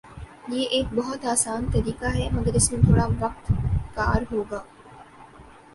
یہ ایک بہت آسان طریقہ ہے مگر اس میں تھوڑا وقت کار ہوگا